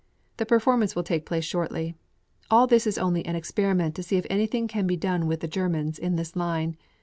The performance will take place shortly. All this is only an experiment to see if anything can be done with the Germans in this line.